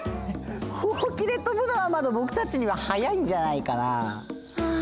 ほうきでとぶのはまだぼくたちには早いんじゃないかなあ。